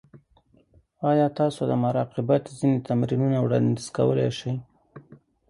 ایا تاسو د مراقبت ځینې تمرینونه وړاندیز کولی شئ؟